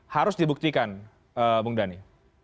harus dibuktikan bung dhani